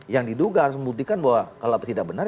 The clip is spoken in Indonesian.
yang diduga harus membuktikan bahwa kalau tidak benar